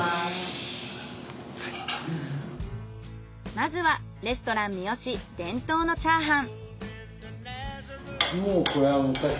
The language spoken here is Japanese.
まずはレストランミヨシ伝統のチャーハン。